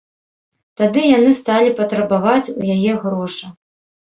Тады яны сталі патрабаваць у яе грошы.